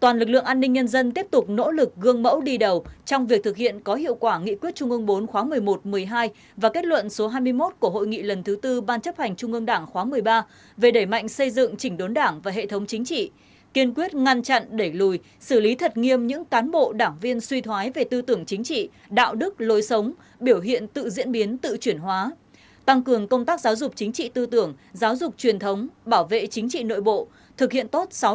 toàn lực lượng an ninh nhân dân tiếp tục nỗ lực gương mẫu đi đầu trong việc thực hiện có hiệu quả nghị quyết trung ương bốn khóa một mươi một một mươi hai và kết luận số hai mươi một của hội nghị lần thứ tư ban chấp hành trung ương đảng khóa một mươi ba về đẩy mạnh xây dựng chỉnh đốn đảng và hệ thống chính trị kiên quyết ngăn chặn đẩy lùi xử lý thật nghiêm những cán bộ đảng viên suy thoái về tư tưởng chính trị đạo đức lối sống biểu hiện tự diễn biến tự chuyển hóa tăng cường công tác giáo dục chính trị tư tưởng giáo dục truyền thống bảo vệ chính trị n